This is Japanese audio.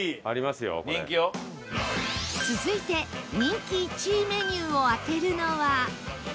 続いて人気１位メニューを当てるのは